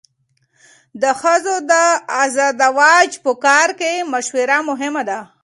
د ښځو د ازدواج په کار کې مشوره مهمه ده.